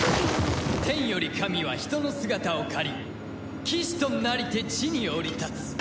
天より神は人の姿を借り騎士となりて地に降り立つ。